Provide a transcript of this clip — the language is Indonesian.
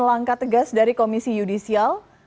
langkah tegas dari komisi yudisial